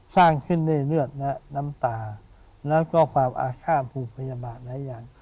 สร้างขึ้นด้วยเลือดและน้ำตาแล้วก็ความอาฆาตภูมิพยาบาลหลายอย่าง